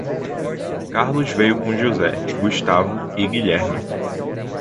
Carlos veio com José, Gustavo e Guilherme.